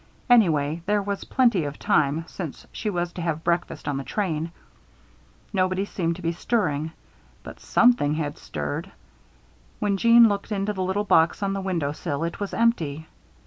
Anyway, there was plenty of time, since she was to have breakfast on the train. Nobody seemed to be stirring. But something had stirred. When Jeanne looked into the little box on the window sill it was empty.